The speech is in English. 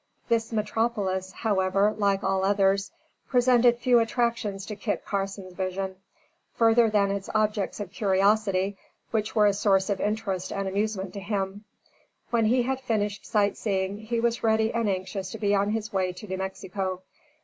This metropolis, however, like all others, presented few attractions to Kit Carson's vision, further than its objects of curiosity, which were a source of interest and amusement to him. When he had finished sight seeing he was ready and anxious to be on his way to New Mexico.